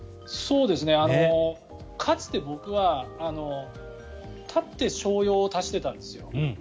かつて僕は、立って小用を足していたんですよ。